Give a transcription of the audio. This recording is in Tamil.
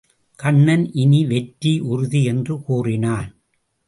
கண்ணன் இனி வெற்றி உறுதி என்று கூறினான்.